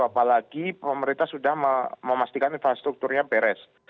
apalagi pemerintah sudah memastikan infrastrukturnya beres